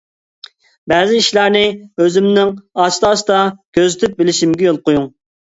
بەزى ئىشلارنى ئۆزۈمنىڭ ئاستا-ئاستا كۆزىتىپ بىلىشىمگە يول قويۇڭ.